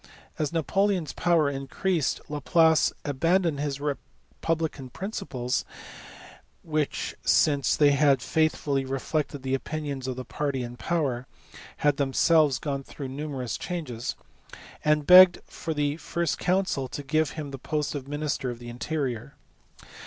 As Napoleon s power increased Laplace abandoned his republican principles (which, since they had faithfully reflected the opinions of the party in power, had themselves gone through numerous changes) and begged the first consul to give him the post of minister of the interior.